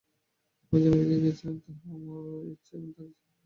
আমি যে আমেরিকায় গিয়াছিলাম, তাহা আমার ইচ্ছায় বা তোমাদের ইচ্ছায় হয় নাই।